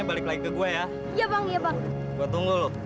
kalau saya mampu